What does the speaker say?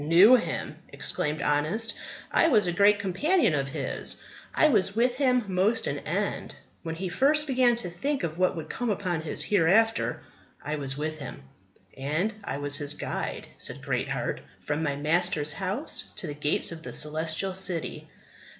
"Knew him!" exclaimed Honest, "I was a great companion of his; I was with him most an end. When he first began to think of what would come upon us hereafter, I was with him." "And I was his guide," said Greatheart, "from my Master's house to the gates of the Celestial City."